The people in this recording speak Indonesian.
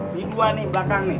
di dua nih belakang nih